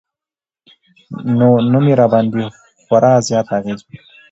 نو نوم يې راباندې خوړا زيات اغېز وکړ